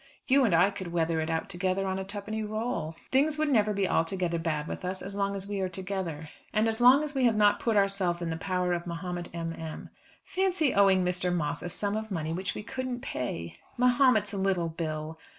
You and I could weather it out together on a twopenny roll. Things would never be altogether bad with us as long as we are together; and as long as we have not put ourselves in the power of Mahomet M. M. Fancy owing Mr. Moss a sum of money which we couldn't pay! Mahomet's 'little bill!'